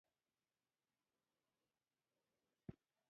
د شتمنو هېوادونو وګړي ښه روغتیا او اوږد عمر لري.